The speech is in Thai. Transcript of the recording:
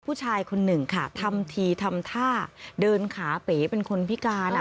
ผู้ชายคนหนึ่งค่ะทำทีทำท่าเดินขาเป๋เป็นคนพิการอ่ะ